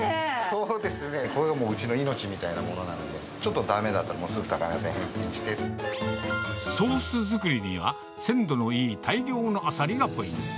そうですね、これがもう、うちの命みたいなものなので、ちょっとだめだったら、ソース作りには、鮮度のいい大量のアサリがポイント。